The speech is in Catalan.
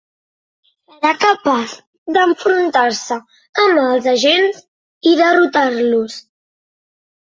Serà capaç d'enfrontar-se amb els agents i derrotar-los.